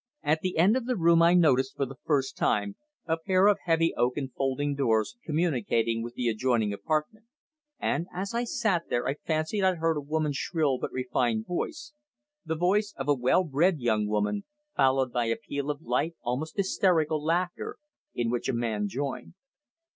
At the end of the room I noticed, for the first time, a pair of heavy oaken folding doors communicating with the adjoining apartment, and as I sat there I fancied I heard a woman's shrill but refined voice the voice of a well bred young woman, followed by a peal of light, almost hysterical, laughter, in which a man joined.